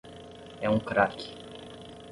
É um crack.